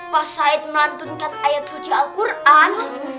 pas sait melantunkan ayat suci al quran